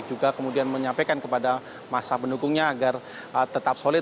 juga kemudian menyampaikan kepada masa pendukungnya agar tetap solid